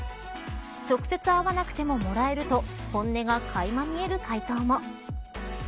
直接会わなくてももらえると本音がかいま見える回答も。